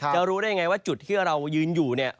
รู้ได้ยังไงว่าจุดที่เรายืนอยู่เนี่ย